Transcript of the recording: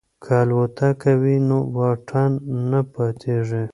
که الوتکه وي نو واټن نه پاتیږي.